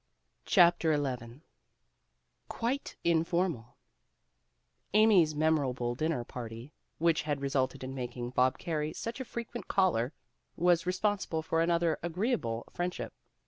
CHAPTEB XI QUITE INFORMAL AMY'S memorable dinner party, which had resulted in making Bob Carey such a frequent caller, was responsible for another agreeable friendship.